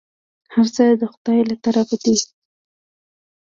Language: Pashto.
هرڅه د خداى له طرفه دي.